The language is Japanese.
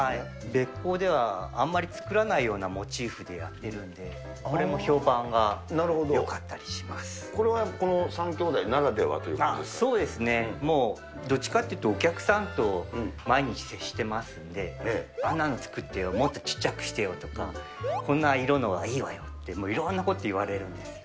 べっ甲ではあまり作らないようなモチーフでやってるんで、これはこの３兄弟ならではとそうですね、もう、どっちかっていうと、お客さんと毎日接してますので、あんなの作ってよ、もっと小っちゃくしてよとか、こんな色のいいわよとか、いろんなこと言われるんですね。